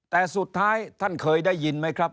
แต่สุดท้ายท่านเคยได้ยินไหมครับ